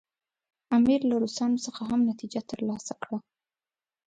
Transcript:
امیر له روسانو څخه هم نتیجه ترلاسه کړه.